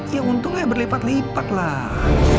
ya untungnya berlipat lipat lah